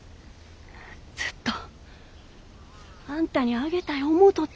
ずっとあんたにあげたい思うとったんよ。